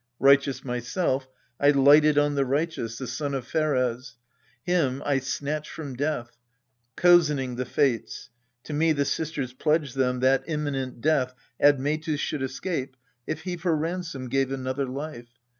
Righteous myself, I lighted on the righteous, The son of Pheres : him I snatched from death, Cozening the Fates : to me the Sisters pledged them That imminent death Admetus should escape If he for ransom 'gave another life.